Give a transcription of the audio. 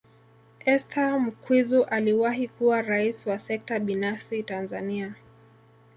Esther Mkwizu aliwahi kuwa Rais wa Sekta Binafsi Tanzania